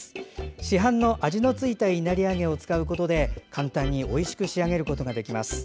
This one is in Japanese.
市販の味の付いたいなり揚げを使うことで簡単においしく仕上げることができます。